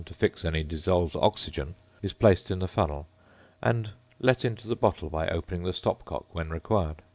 to fix any dissolved oxygen, is placed in the funnel, and let into the bottle by opening the stopcock when required.